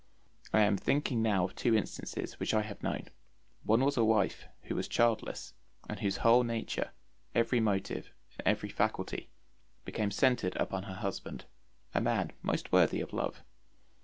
I am thinking now of two instances which I have known; one was a wife, who was childless, and whose whole nature, every motive and every faculty, became centred upon her husband, a man most worthy of love.